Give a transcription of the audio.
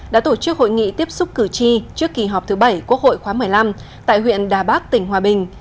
đã tổ chức hội nghị tiếp xúc cử tri trước kỳ họp thứ bảy quốc hội khóa một mươi năm tại huyện đà bắc tỉnh hòa bình